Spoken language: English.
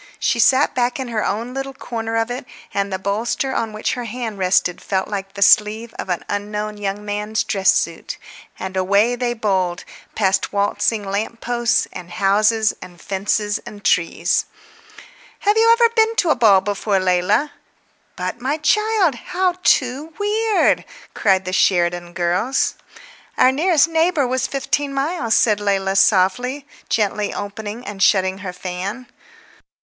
She sat back in her own little corner of it, and the bolster on which her hand rested felt like the sleeve of an unknown young man's dress suit; and away they bowled, past waltzing lamp posts and houses and fences and trees. "Have you really never been to a ball before, Leila? But, my child, how too weird—" cried the Sheridan girls. "Our nearest neighbour was fifteen miles," said Leila softly, gently opening and shutting her fan.